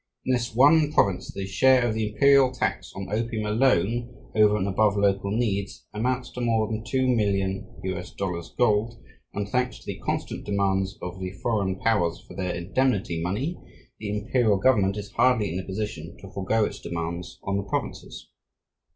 In this one province the share of the imperial tax on opium alone, over and above local needs, amounts to more than $2,000,000 (gold), and, thanks to the constant demands of the foreign powers for their "indemnity" money, the imperial government is hardly in a position to forego its demands on the provinces.